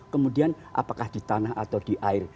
kemudian apakah di tanah atau di air